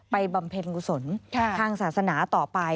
บำเพ็ญกุศลทางศาสนาต่อไป